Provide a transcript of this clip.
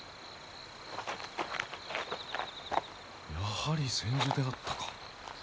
やはり千手であったか。